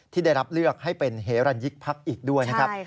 ที่ได้รับเลือกให้เป็นเฮรันยิกพักอีกด้วยนะครับ